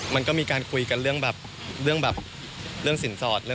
มันก็มีการคุยกันเรื่องสินสอด